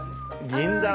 銀だら。